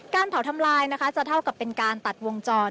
เผาทำลายนะคะจะเท่ากับเป็นการตัดวงจร